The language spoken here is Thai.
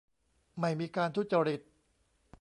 ไม่มีการทุจริต